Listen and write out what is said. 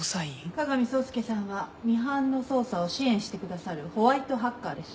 加賀美聡介さんはミハンの捜査を支援してくださるホワイトハッカーです。